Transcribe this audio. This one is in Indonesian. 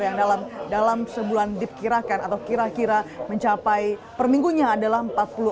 yang dalam sebulan dipkirakan atau kira kira mencapai perminggunya adalah empat puluh lima